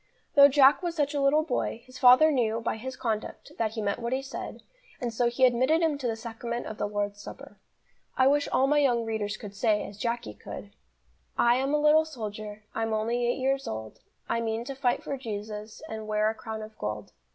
Though Jack was such a little boy, his father knew, by his conduct, that he meant what he said, and so he admitted him to the Sacrament of the Lord's Supper. I wish all my young readers could say, as Jacky could: "I am a little soldier, I'm only eight years old, I mean to fight for Jesus And wear a crown of gold.